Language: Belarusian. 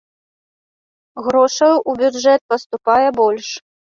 Грошай у бюджэт паступае больш.